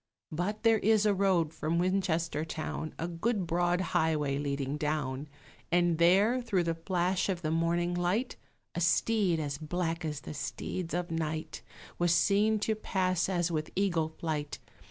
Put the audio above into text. But there is a road from Winchester town, A good broad highway leading down; And there, through the flash of the morning light, A steed, as black as the steeds of night, Was seen to pass as with eagle flight.